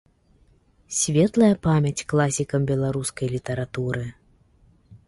Светлая памяць класікам беларускай літаратуры.